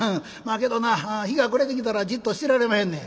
けどな日が暮れてきたらじっとしてられまへんねん」。